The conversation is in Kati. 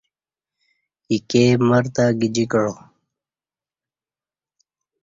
ایکے مر تہ گجیکعا